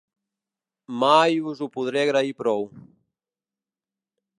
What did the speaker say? Mai us ho podré agrair prou.